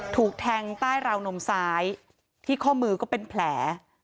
ถูกแทงใต้ราวนมซ้ายที่ข้อมือก็เป็นแผล